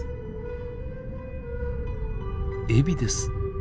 エビです。